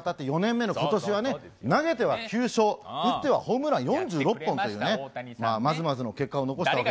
投げては９勝、打ってはホームラン４６本というね、まずまずの結果を残したわけです。